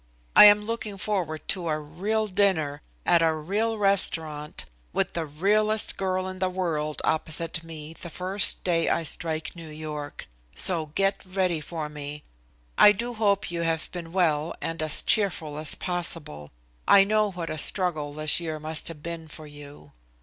I am looking forward to a real dinner, at a real restaurant, with the realest girl in the world opposite me the first day I strike New York, so get ready for me. I do hope you have been well and as cheerful as possible. I know what a struggle this year must have been for you.